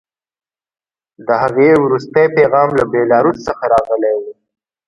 د هغه وروستی پیغام له بیلاروس څخه راغلی و